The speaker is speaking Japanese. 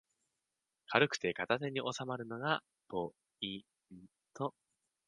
軽くて片手におさまるのがポイント